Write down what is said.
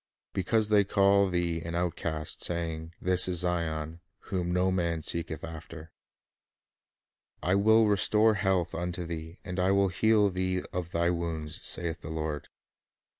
"Because they call thee an Outcast, saying, This is Zion, whom no man seeketh after," "I will restore health unto thee, and I will heal thee of thy wounds, saith the Lord."